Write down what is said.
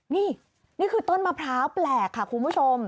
นี่นี่คือต้นมะพร้าวแปลกค่ะคุณผู้ชม